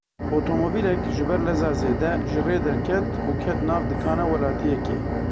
Otomobîlek ji ber leza zêde, ji rê derket û ket nav dikana welatiyekê.